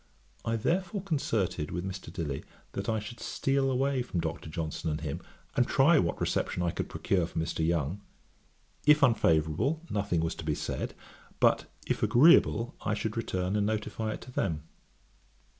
I therefore concerted with Mr. Dilly, that I should steal away from Dr. Johnson and him, and try what reception I could procure from Mr. Young; if unfavourable, nothing was to be said; but if agreeable, I should return and notify it to them.